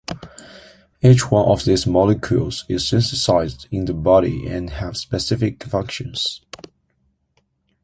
Each one of these molecules is synthesized in the body and has specific functions.